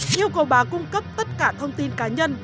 yêu cầu bà cung cấp tất cả thông tin cá nhân